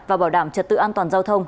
và bảo đảm trật tự an toàn giao thông